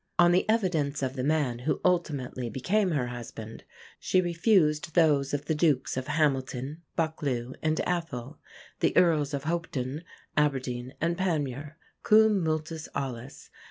On the evidence of the man who ultimately became her husband she refused those of the Dukes of Hamilton, Buccleuch and Atholl, the Earls of Hopetoun, Aberdeen and Panrnure, _cum multis aliis.